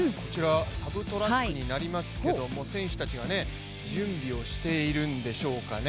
サブトラックになりますが選手たちが準備をしているんでしょうかね。